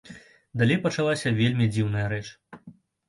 Далей пачалася вельмі дзіўная рэч.